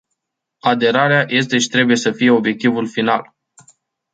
Aderarea este și trebuie să fie obiectivul final.